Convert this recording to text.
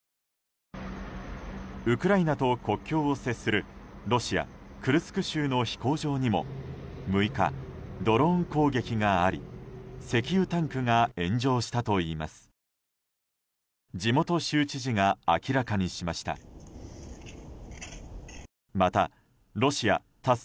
ウクライナと国境を接するロシア・クルスク州の飛行場にも６日、ドローン攻撃があり石油タンクが炎上したといいます。